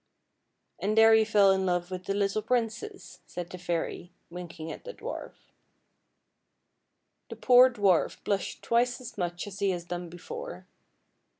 "And there you fell in love with the little princess," said the fairy, winking at the dwarf. 156 FAIRY TALES The poor dwarf blushed twice as much as he had done before.